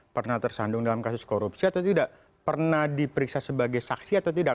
pernah tersandung dalam kasus korupsi atau tidak pernah diperiksa sebagai saksi atau tidak